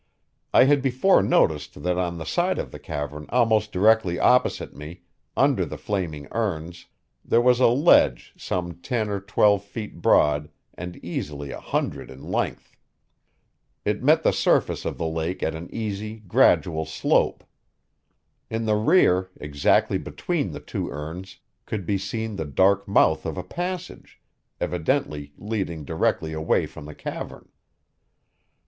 I had before noticed that on the side of the cavern almost directly opposite me, under the flaming urns, there was a ledge some ten or twelve feet broad and easily a hundred in length. It met the surface of the lake at an easy, gradual slope. In the rear, exactly between the two urns, could be seen the dark mouth of a passage, evidently leading directly away from the cavern.